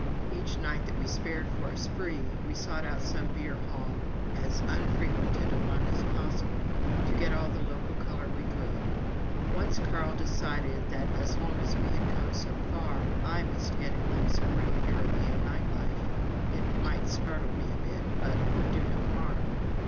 Each night that we spared for a spree we sought out some beer hall as unfrequented a one as possible, to get all the local color we could. Once Carl decided that, as long as we had come so far, I must get a glimpse of real European night life it might startle me a bit, but would do no harm.